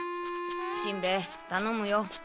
しんべヱたのむよ。